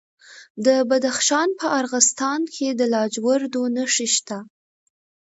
د بدخشان په راغستان کې د لاجوردو نښې شته.